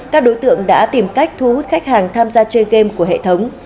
các đối tượng đã tìm cách thu hút khách hàng tham gia chơi game của hệ thống